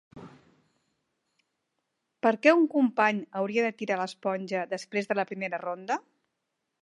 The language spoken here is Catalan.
Per què un company hauria de tirar l'esponja després de la primera ronda?